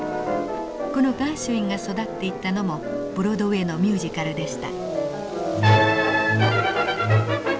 このガーシュインが育っていったのもブロードウェイのミュージカルでした。